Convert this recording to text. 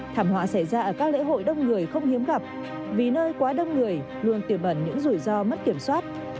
thảm họa xảy ra ở các lễ hội đông người không hiếm gặp vì nơi quá đông người luôn tiềm ẩn những rủi ro mất kiểm soát